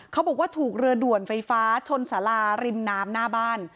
เขาบอกว่าถูกเรือด่วนไฟฟ้าชนสาราริมน้ำหน้าบ้าน